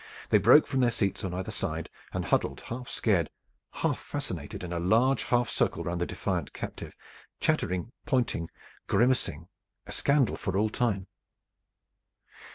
They broke from their seats on either side and huddled half scared, half fascinated, in a large half circle round the defiant captive, chattering, pointing, grimacing, a scandal for all time.